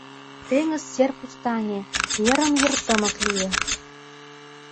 Теҥыз сер пустаҥе, йырым-йыр тымык лие